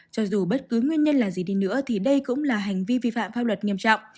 cho dù bất cứ nguyên nhân là gì đi nữa thì đây cũng là hành vi vi phạm pháp luật nghiêm trọng